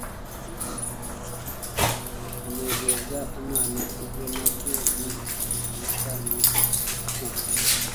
unezeza Imana Ibyo na byo ni ubusa ni nko